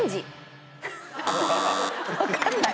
分かんない。